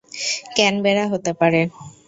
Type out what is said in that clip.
Canberra হতে পারে।